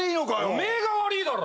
おめぇが悪いだろ！